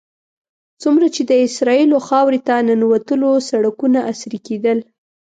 څومره چې د اسرائیلو خاورې ته ننوتلو سړکونه عصري کېدل.